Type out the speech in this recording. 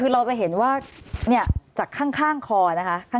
เราจะเห็นว่าเนี่ยจากข้างคอนะคะ